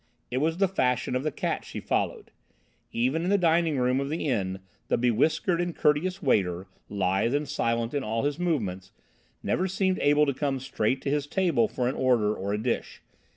It was the fashion of the cat she followed. Even in the dining room of the inn, the be whiskered and courteous waiter, lithe and silent in all his movements, never seemed able to come straight to his table for an order or a dish.